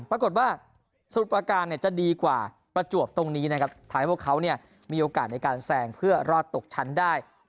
ปรากฏว่าสมุทรประการจะดีกว่าประจวบตรงนี้นะครับทำให้พวกเขามีโอกาสในการแซงเพื่อรอดตกชั้นได้